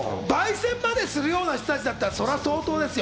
焙煎するような人たちだったら、それは相当ですよ。